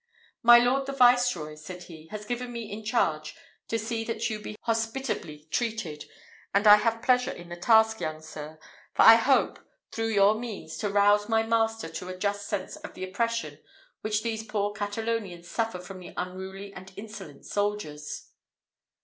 "My lord the Viceroy," said he, "has given me in charge to see that you be hospitably treated, and I have pleasure in the task, young sir; for I hope, through your means, to rouse my master to a just sense of the oppression which these poor Catalonians suffer from the unruly and insolent soldiers."